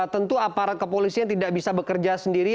tentu aparat kepolisian tidak bisa bekerja sendiri